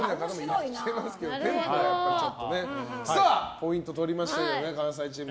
ポイントとりましたけど関西チーム。